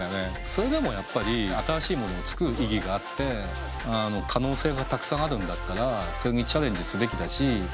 それでもやっぱり新しいものを作る意義があって可能性がたくさんあるんだったらそれにチャレンジすべきだし。